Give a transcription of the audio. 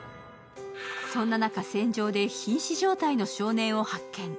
そんな中、戦場でひん死状態の少年を発見。